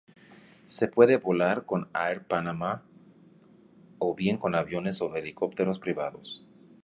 Se puede volar con Air Panamá o bien con aviones o helicópteros privados.